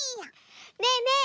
ねえねえ